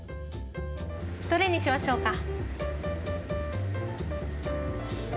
どれにしましょうか？